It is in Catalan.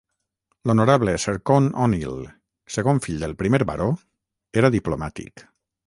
L'Honorable Sir Con O'Neill, segon fill del primer baró, era diplomàtic.